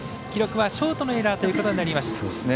記録はショートのエラーということになりました。